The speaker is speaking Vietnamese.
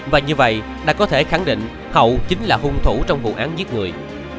và như vậy đã có thể khẳng định hậu chính là hung thủ trong vụ án giết người